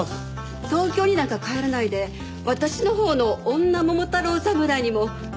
東京になんか帰らないで私のほうの『女桃太郎侍』にも出て頂けないかしら？